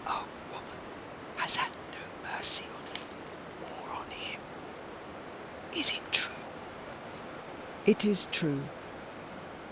A woman has had no mercy on you, or on him. Is it true?" "It is true."